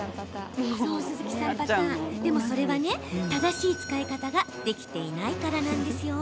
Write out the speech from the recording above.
でも、それは正しい使い方ができていないから。